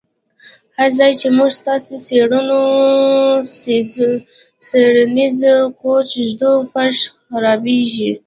هر ځای چې موږ ستاسو څیړنیز کوچ ږدو فرش خرابیږي